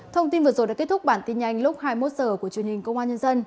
thông tin vừa rồi đã kết thúc bản tin nhanh lúc hai mươi một h của truyền hình công an nhân dân